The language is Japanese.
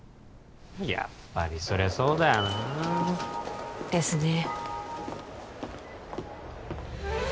やっぱりそりゃそうだよなですね